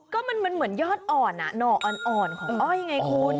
ก็มันเหมือนยอดอ่อนหน่ออ่อนของอ้อยไงคุณ